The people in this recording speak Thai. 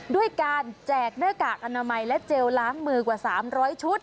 ด้วยการแจกหน้ากากอนามัยและเจลล้างมือกว่า๓๐๐ชุด